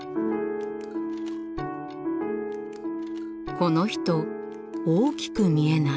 この人大きく見えない？